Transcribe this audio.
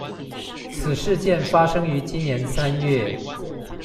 此事件發生於今年三月